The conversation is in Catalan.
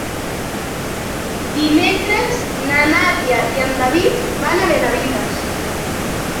Dimecres na Nàdia i en David van a Benavites.